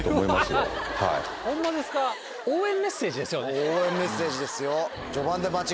応援メッセージですよ。